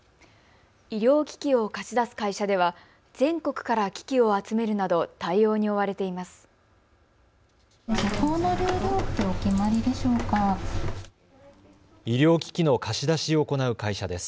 医療機器を貸し出す会社では全国から機器を集めるなど対応に追われています。